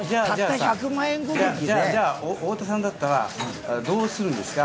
じゃあ、太田さんだったらどうするんですか？